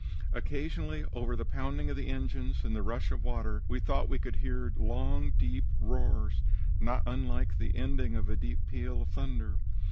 "Occasionally, over the pounding of the engines and the rush of water, we thought we could hear long, deep roars, not unlike the ending of a deep peal of thunder.